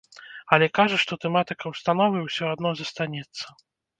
Але кажа, што тэматыка ўстановы ўсё адно застанецца.